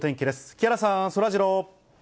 木原さん、そらジロー。